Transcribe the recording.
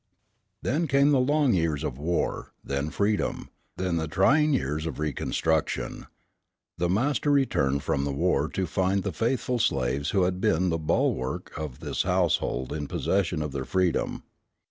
Then came the long years of war, then freedom, then the trying years of reconstruction. The master returned from the war to find the faithful slaves who had been the bulwark of this household in possession of their freedom.